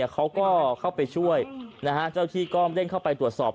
เขาก็เข้าไปช่วยเจ้าที่ก็เร่งเข้าไปตรวจสอบ